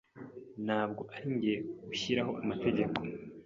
Ntabwo arinjye ushyiraho amategeko.